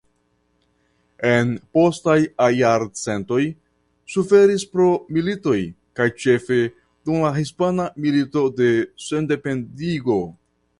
En postaj jarcentoj suferis pro militoj kaj ĉefe dum la Hispana Milito de Sendependigo.